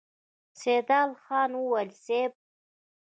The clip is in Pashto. سيدال خان وويل: صېب!